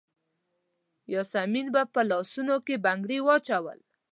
یاسمین به په لاسونو کې بنګړي وراچول.